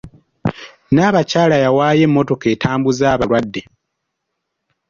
Nnaabakyala yawaayo emmotoka etambuza abalwadde.